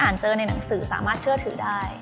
บางทีการเราเอาอารมณ์ของเราไปใส่ในเนื้อเรื่องมากเกินไป